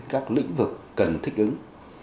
các lĩnh vực cần thích ứng